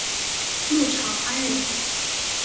陆朝安人。